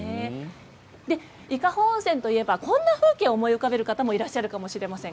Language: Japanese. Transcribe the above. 伊香保温泉といえばこんな風景を思い浮かべる方もいらっしゃるかもしれません。